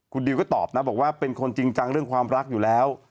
คุณดิวก็ตอบนะบอกว่าเป็นคนจริงจังเรื่องความรักอยู่แล้ว